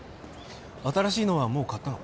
新しいのはもう買ったの？